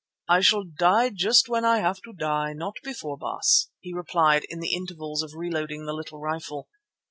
"I shall die just when I have to die, not before, Baas," he replied in the intervals of reloading the little rifle.